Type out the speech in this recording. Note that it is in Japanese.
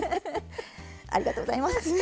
ありがとうございます！